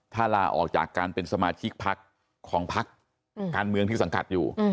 ถ้าลาออกจากการเป็นสมาชิกพักของพักการเมืองที่สังกัดอยู่